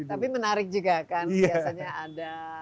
tapi menarik juga kan biasanya ada